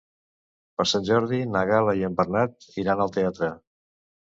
Per Sant Jordi na Gal·la i en Bernat iran al teatre.